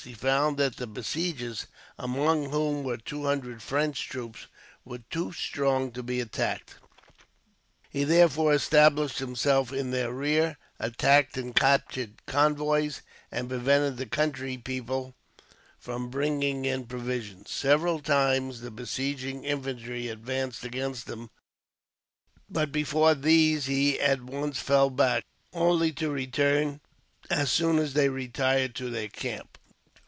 He found that the besiegers, among whom were two hundred French troops, were too strong to be attacked. He therefore established himself in their rear, attacked and captured convoys, and prevented the country people from bringing in provisions. Several times the besieging infantry advanced against him, but before these he at once fell back, only to return as soon as they retired to their camp.